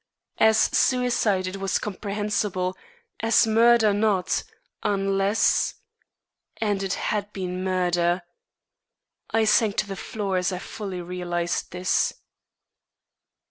As suicide it was comprehensible, as murder, not, unless And it had been murder! I sank to the floor as I fully realised this.